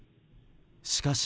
しかし。